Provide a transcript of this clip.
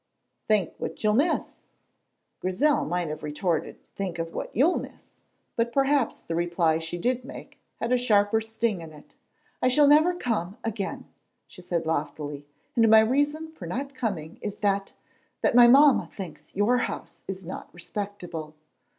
"Think what you'll miss!" Grizel might have retorted, "Think what you will miss!" but perhaps the reply she did make had a sharper sting in it. "I shall never come again," she said loftily, "and my reason for not coming is that that my mamma thinks your house is not respectable!"